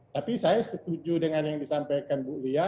tapi saya setuju dengan yang disampaikan bu lia